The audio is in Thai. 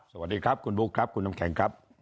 สวัสดีครับคุณบุ๊คครับคุณน้ำแข็งครับ